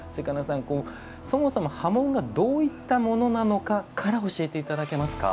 そもそも刃文がどういったものなのかから教えていただけますか？